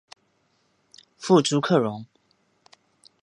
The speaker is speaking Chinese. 父朱克融。